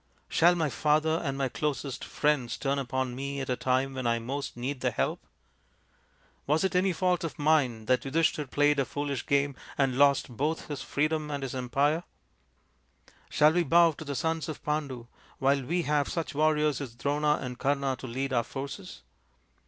" Shall my father and my closest friends turn upon io2 THE INDIAN STORY BOOK me at a time when I most need their help ? Was it any fault of mine that Yudhishthir played a foolish game and lost both his freedom and his empire ? Shall we bow to the sons of Pandu while we have such warriors as Drona and Kama to lead our forces?